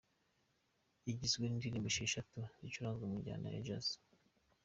Igizwe n’indirimbo esheshatu zicuranzwe mu njyana ya Jazz.